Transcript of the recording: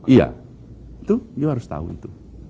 iya itu you harus tahu itu